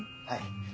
はい。